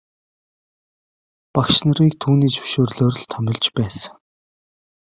Багш нарыг түүний зөвшөөрлөөр л томилж байсан.